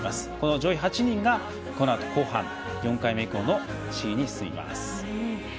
上位８人が、このあと後半４回目以降の試技に進みます。